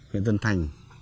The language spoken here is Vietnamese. huyện tân thành